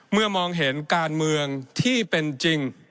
มองเห็นการเมืองที่เป็นจริง